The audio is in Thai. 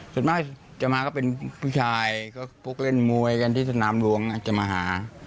ส่วนมากจะมาก็เป็นผู้ชายก็พวกเล่นมวยกันที่สนามหลวงจะมาหา